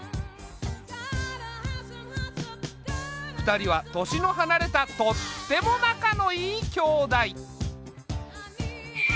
２人は年の離れたとっても仲のいい兄妹。